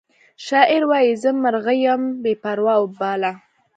شاعر وایی زه مرغه یم بې پر او باله